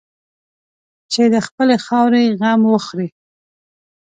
چې د خپلې خاورې غم وخوري.